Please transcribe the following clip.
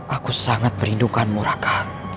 aku sangat perlindunganmu raka